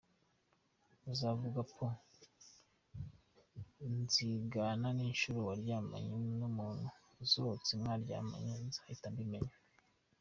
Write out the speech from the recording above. Uzavuga “po !” zingana n’inshuro waryamanye n’umuntu usohotse mwaryamanye, nzahitambimenya.